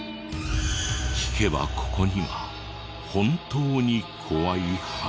聞けばここには本当に怖い話が。